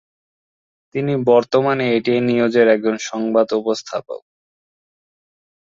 তিনি বর্তমানে এটিএন নিউজের একজন সংবাদ উপস্থাপক।